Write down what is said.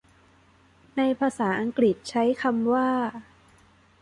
ในภาษาอังกฤษใช้คำว่า